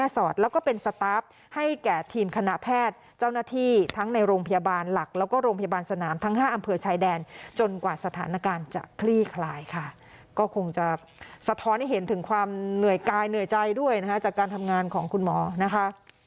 ก็คงจะสะท้อนให้เห็นถึงความเหนื่อยกายเหนื่อยใจด้วยนะคะจากการทำงานของคุณหมอนะคะ